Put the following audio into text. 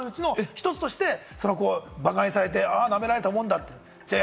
一つとして、バカにされて、なめられたもんだ。